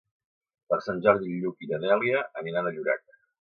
Per Sant Jordi en Lluc i na Dèlia aniran a Llorac.